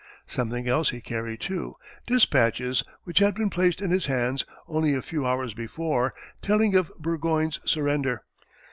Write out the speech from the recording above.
Something else he carried, too dispatches which had been placed in his hands only a few hours before, telling of Burgoyne's surrender.